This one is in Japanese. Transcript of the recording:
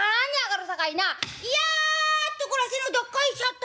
いやっとこらせのどっこいしょっと。